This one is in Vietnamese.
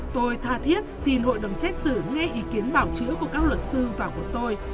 tôi tha thiết xin hội đồng xét xử nghe ý kiến bảo chữa của các luật sư và của tôi